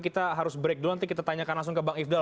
kita harus break dulu nanti kita tanyakan langsung ke bang ifdal